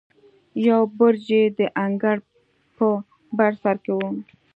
یو برج یې د انګړ په بر سر کې و.